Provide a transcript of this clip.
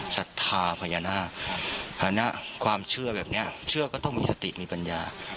ศรัทธาพญานาคะความเชื่อแบบนี้เชื่อก็ต้องมีสติมีปัญญา